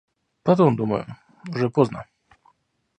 Потом, думаю, уже поздно.